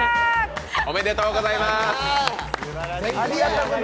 おめでとうございます。